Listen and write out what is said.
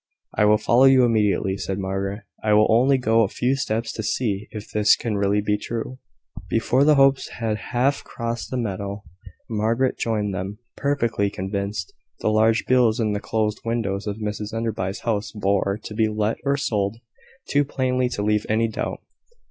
"I will follow you immediately," said Margaret: "I will only go a few steps to see if this can really be true." Before the Hopes had half crossed the meadow, Margaret joined them, perfectly convinced. The large bills in the closed windows of Mrs Enderby's house bore "To be Let or Sold" too plainly to leave any doubt.